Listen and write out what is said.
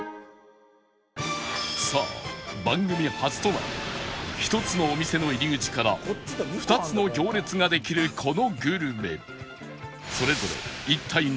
さあ番組初となる１つのお店の入り口から２つの行列ができるこのグルメ